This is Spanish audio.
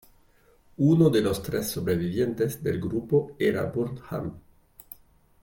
Uno de los tres sobrevivientes del grupo era Burnham.